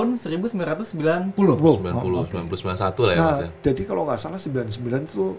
nah jadi kalau gak salah sembilan puluh sembilan itu